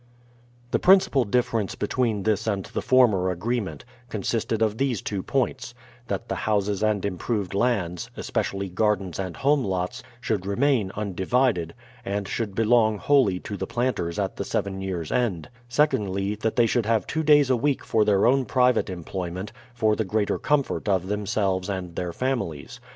The principal difference between this and the former agreement, consisted of these two points: that the houses and improved lands, especially gardens and home lots, should remain undivided, and should belong wholly to the planters at the seven years' end ; secondly, that they should have two days a week for their own private employment, for the greater comfort of themselves and their families.